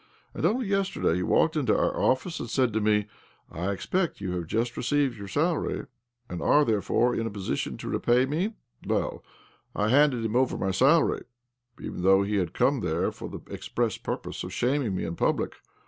And only yesterday he walked into our office, and said to me :' I expect you have just received your salary, and are therefore in a position to repay me ?' Well, I handed him over my salary, even though he had come there for the express purpose of shaming me in public.